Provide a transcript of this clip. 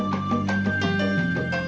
makannya sudah belum